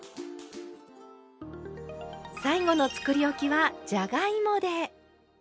最後のつくりおきはじゃがいもで。